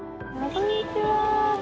こんにちは。